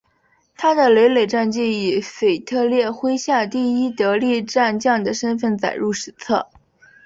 他的累累战绩以腓特烈麾下第一得力战将的身份载入史册。